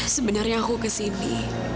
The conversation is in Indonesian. sebenarnya aku kesini